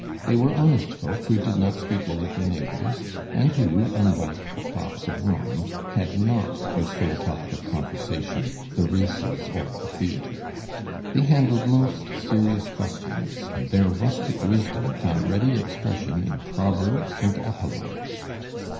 They were honest folk, who did not speak ill of their neighbors, and who, unlike the fops of Rome, had not for sole topic of conversation the races or the theatre. They handled most serious questions, and their rustic wisdom found ready expression in proverbs and apologues.